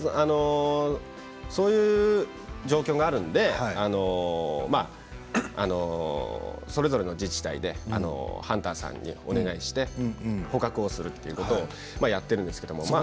そういう状況があるのでそれぞれの自治体でハンターさんにお願いして捕獲をするということをやっているんですけども。